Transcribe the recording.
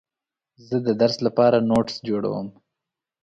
زه د درس لپاره نوټس جوړوم.